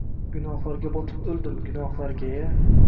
Gunohlarga botib o‘ldim, gunohlarga-ya!